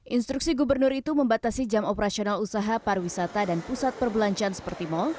instruksi gubernur itu membatasi jam operasional usaha pariwisata dan pusat perbelanjaan seperti mal